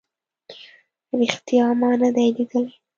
ریښتیا ما نه دی لیدلی